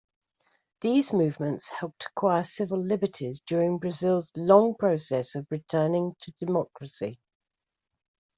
These movements helped acquire civil liberties during Brazil's long process of returning to democracy.